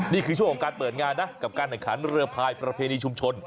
นี่คือช่วงของการเปิดงานนะกับการแข่งขันเรือพายประเพณีชุมชน